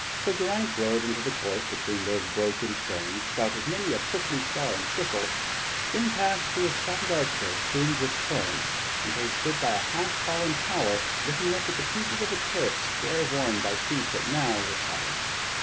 So Geraint rode into the court between whose broken stones sprouted many a prickly star and thistle, then passed through a shattered archway plumed with fern, until he stood by a half fallen tower looking up at a piece of turret stair worn by feet that now were silent.